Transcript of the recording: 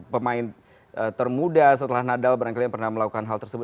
pemain termuda setelah nadal barangkali pernah melakukan hal tersebut